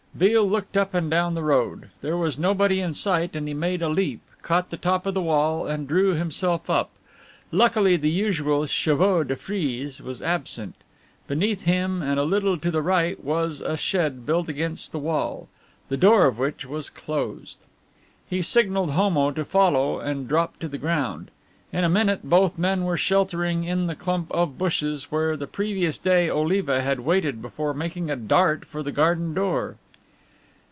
Beale looked up and down the road. There was nobody in sight and he made a leap, caught the top of the wall and drew himself up. Luckily the usual chevaux de frise was absent. Beneath him and a little to the right was a shed built against the wall, the door of which was closed. He signalled Homo to follow and dropped to the ground. In a minute both men were sheltering in the clump of bushes where on the previous day Oliva had waited before making a dart for the garden door.